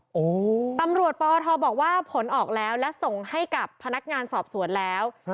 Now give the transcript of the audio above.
โอ้โหตำรวจปอทบอกว่าผลออกแล้วและส่งให้กับพนักงานสอบสวนแล้วครับ